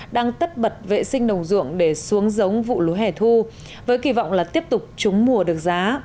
đang tất bật vệ sinh đồng ruộng để xuống giống vụ lúa hẻ thu với kỳ vọng là tiếp tục trúng mùa được giá